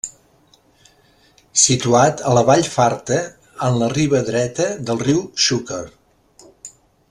Situat a la Vall farta, en la riba dreta del riu Xúquer.